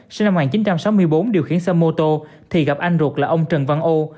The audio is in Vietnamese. sinh năm một nghìn chín trăm sáu mươi bốn điều khiển xe mô tô thì gặp anh ruột là ông trần văn âu